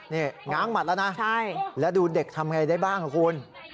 นี่ง้างหมัดแล้วนะแล้วดูเด็กทำไงได้บ้างครับคุณ